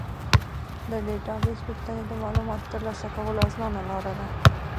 د ډیټابیس پوښتنې د معلوماتو ترلاسه کولو اسانه لاره ده.